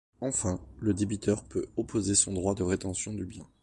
Enfin, le débiteur peut opposer son droit de rétention du bien.